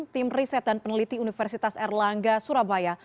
tim riset dan peneliti universitas erlangga surabaya